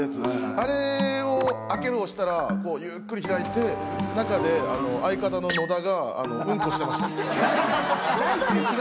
あれを「開ける」押したらゆっくり開いて中で相方の野田がウンコしてました。